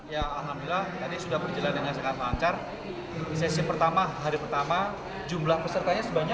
ya alhamdulillah tadi sudah berjalan dengan sangat lancar